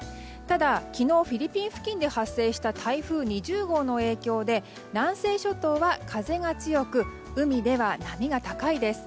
ただ、昨日フィリピン付近で発生した台風２０号の影響で南西諸島は風が強く海では波が高いです。